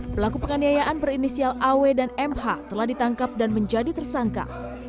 pelaku penganiayaan berinisial aw dan mh telah ditangkap dan menjadi tersangka